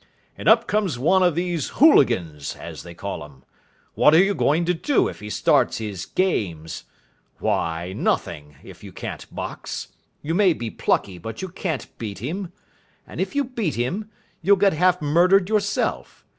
"And up comes one of these hooligans, as they call 'em. What are you going to do if he starts his games? Why, nothing, if you can't box. You may be plucky, but you can't beat him. And if you beat him, you'll get half murdered yourself.